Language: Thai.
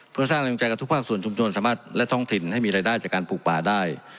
เพื่อสร้างกำลังใจกับทุกภาคส่วนชุมชนสามารถและท้องถิ่นให้มีรายได้จากการปลูกป่าได้